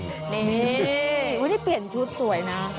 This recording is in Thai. เฮ้ยเปลี่ยนชุดสวยนะ